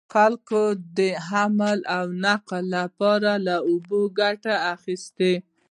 خلکو د حمل او نقل لپاره له اوبو ګټه اخیسته.